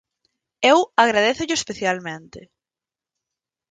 Eu agradézollo especialmente.